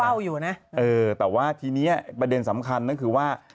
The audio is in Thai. เออแต่ว่าทีนี้ประเด็นสำคัญนั่นคือว่า